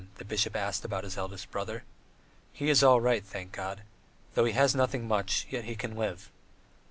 the bishop asked about his eldest brother. "He is all right, thank God. Though he has nothing much, yet he can live.